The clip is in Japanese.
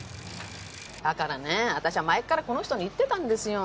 だからね私は前からこの人に言ってたんですよ。